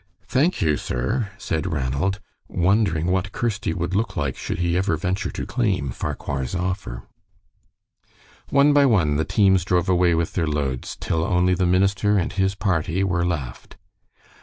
"Thank you, sir," said Ranald, wondering what Kirsty would look like should he ever venture to claim Farquhar's offer. One by one the teams drove away with their loads, till only the minister and his party were left.